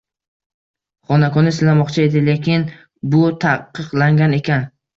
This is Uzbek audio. Xanakoni silamoqchi edi, lekin bu ta`qiqlangan ekan